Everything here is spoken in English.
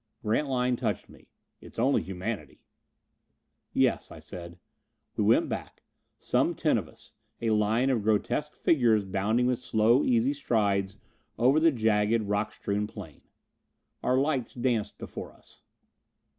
Grantline touched me. "It's only humanity." "Yes," I said. We went back. Some ten of us a line of grotesque figures bounding with slow, easy strides over the jagged, rock strewn plain. Our lights danced before us.